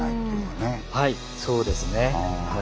はいそうですね。